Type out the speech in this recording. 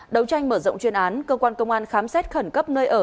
đấu tranh mở rộng chuyên án cơ quan công an khám xét khẩn cấp nơi ở